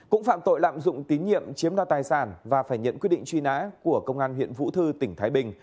cũng phạm tội lạm dụng tín nhiệm chiếm đoạt tài sản và phải nhận quyết định truy nã của công an huyện vũ thư tỉnh thái bình